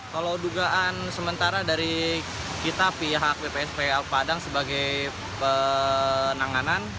kalau dugaan sementara dari kita pihak bpspl padang sebagai penanganan